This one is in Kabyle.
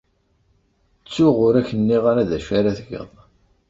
Ttuɣ ur ak-nniɣ ara d acu ara tged.